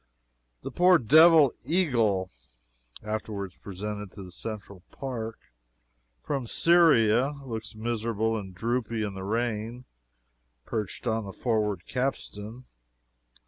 The poor devil eagle [Afterwards presented to the Central Park.] from Syria looks miserable and droopy in the rain, perched on the forward capstan.